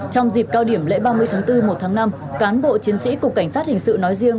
trong dịp cao điểm lễ ba mươi tháng bốn một tháng năm cán bộ chiến sĩ cục cảnh sát hình sự nói riêng